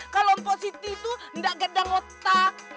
kalau mpok siti itu enggak geda ngotak